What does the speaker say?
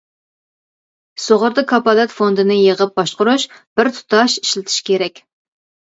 سۇغۇرتا كاپالەت فوندىنى يىغىپ باشقۇرۇش، بىر تۇتاش ئىشلىتىش كېرەك.